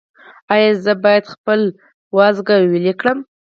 ایا زه باید خپل وازګه ویلې کړم؟